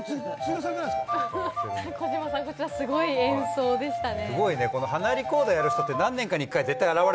児嶋さん、こちらすごい演奏でしたね。